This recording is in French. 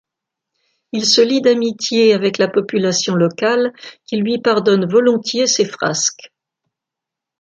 Il se lie d’amitié avec la population locale qui lui pardonne volontiers ses frasques.